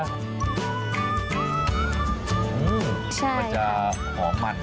อันนี้มันจะหอมมัน